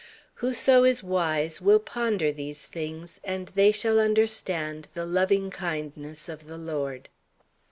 "Whoso is wise will ponder these things: and they shall understand the loving kindness of the Lord."